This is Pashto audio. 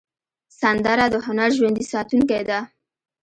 سندره د هنر ژوندي ساتونکی ده